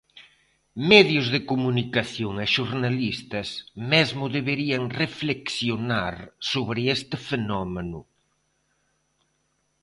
Medios de comunicación e xornalistas mesmo deberían reflexionar sobre este fenómeno.